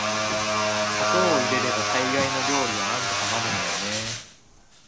砂糖を入れれば大概の料理はなんとかなるのよね～